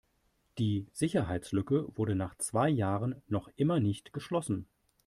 Die Sicherheitslücke wurde nach zwei Jahren noch immer nicht geschlossen.